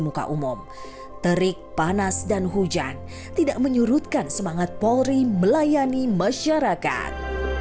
muka umum terik panas dan hujan tidak menyurutkan semangat polri melayani masyarakat